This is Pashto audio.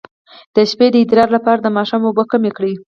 د شپې د ادرار لپاره د ماښام اوبه کمې کړئ